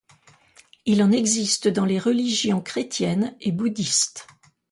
Il en existe dans les religions chrétiennes et bouddhiste.